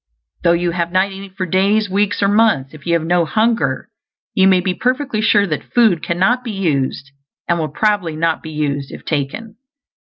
Though you have not eaten for days, weeks, or months, if you have no hunger you may be perfectly sure that food cannot be used, and will probably not be used if taken.